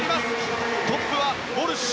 トップはウォルシュ。